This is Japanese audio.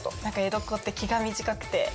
何か江戸っ子って気が短くて。